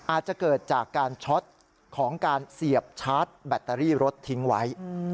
อาจจะเกิดจากการช็อตของการเสียบชาร์จแบตเตอรี่รถทิ้งไว้